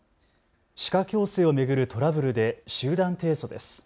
歯科矯正を巡るトラブルで集団提訴です。